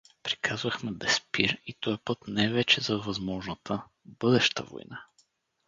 Приказвахме безспир и тоя път не вече за възможната, бъдеща война.